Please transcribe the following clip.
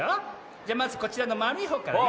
じゃまずこちらのまるいほうからね。